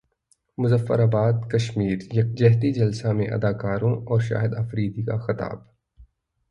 مظفراباد کشمیر یکجہتی جلسہ میں اداکاروں اور شاہد افریدی کا خطاب